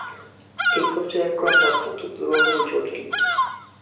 এই পর্যায়ের ক্রম অত্যন্ত দুরূহ ও জটিল।